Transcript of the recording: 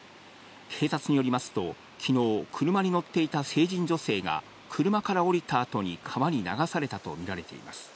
警察によりますと、きのう、車に乗っていた成人女性が車から降りたあとに川に流されたと見られています。